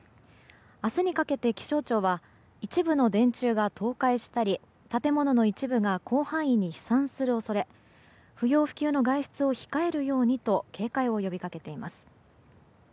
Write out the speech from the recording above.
明日にかけて気象庁は一部の電柱が倒壊したり、建物の一部が広範囲に飛散する恐れ不要不急の外出を控えるようにと警戒を呼びかけています。